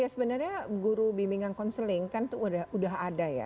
ya sebenarnya guru bimbingan konseling kan udah ada ya